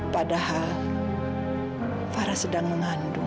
padahal farah sedang mengandung